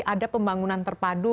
ada pembangunan terpadu